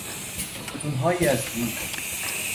ستونهایی از دود